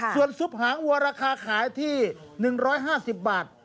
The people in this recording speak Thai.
ส่วนซุปหางวัวราคาขายที่๑๕๐บาท